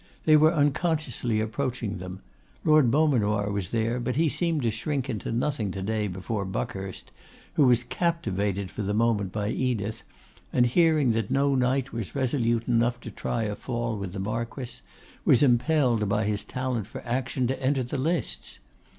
They were unconsciously approaching them. Lord Beaumanoir was there, but he seemed to shrink into nothing to day before Buckhurst, who was captivated for the moment by Edith, and hearing that no knight was resolute enough to try a fall with the Marquess, was impelled by his talent for action to enter the lists.